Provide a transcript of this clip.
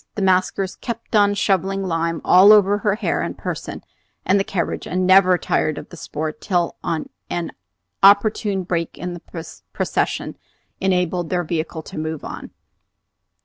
The maskers kept on shovelling lime all over her hair and person and the carriage, and never tired of the sport till an opportune break in the procession enabled their vehicle to move on.